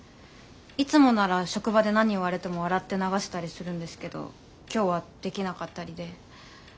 いつもなら職場で何言われても笑って流したりするんですけど今日はできなかったりで。